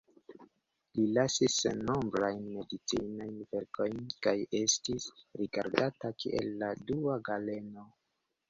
Li lasis sennombrajn medicinajn verkojn kaj estis rigardata kiel la dua Galeno.